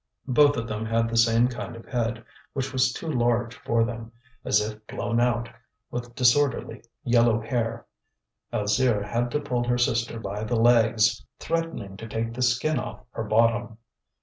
Both of them had the same kind of head, which was too large for them, as if blown out, with disorderly yellow hair. Alzire had to pull her sister by the legs, threatening to take the skin off her bottom.